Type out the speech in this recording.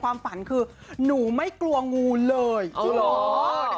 ฝันมาเราปลาอีกอย่างฝัน